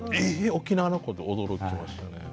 沖縄の子？」って驚きましたね。